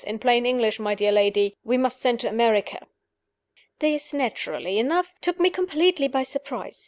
In plain English, my dear lady, we must send to America." This, naturally enough, took me completely by surprise.